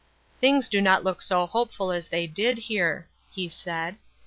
"' Things do not look so hopeful as they did, here," he said.